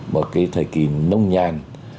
một cái thời kỳ nông nhan